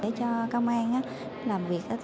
để cho công an làm việc